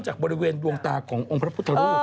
จากบริเวณดวงตาขององค์พระพุทธรูป